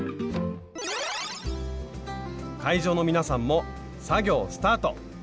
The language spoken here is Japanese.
会場の皆さんも作業スタート！